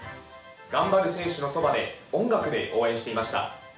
頑張る選手のそばで音楽で応援していました。